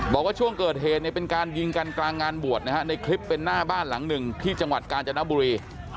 บอกว่าช่วงเกิดเหตุเนี่ยเป็นการยิงกันกลางงานบวชนะฮะในคลิปเป็นหน้าบ้านหลังหนึ่งที่จังหวัดกาญจนบุรี